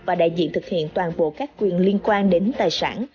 và đại diện thực hiện toàn bộ các quyền liên quan đến tài sản